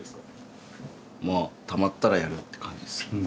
まあたまったらやるって感じですね。